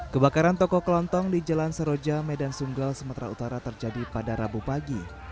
kebakaran toko kelontong di jalan seroja medan sunggal sumatera utara terjadi pada rabu pagi